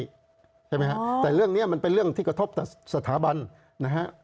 ใช่ไหมฮะแต่เรื่องนี้มันเป็นเรื่องที่กระทบต่อสถาบันนะฮะ